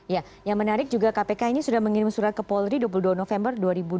ya yang menarik juga kpk ini sudah mengirim surat ke polri dua puluh dua november dua ribu dua puluh